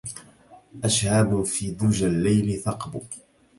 أشهاب في دجى الليل ثقب